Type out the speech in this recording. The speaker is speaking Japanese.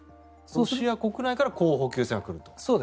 ロシア国内から補給線が来る。